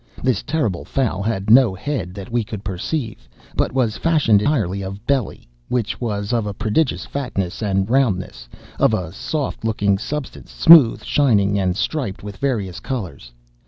This terrible fowl had no head that we could perceive, but was fashioned entirely of belly, which was of a prodigious fatness and roundness, of a soft looking substance, smooth, shining and striped with various colors.